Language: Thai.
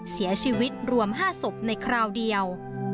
เสียชีวิตรวม๕ศพในคราวเดียว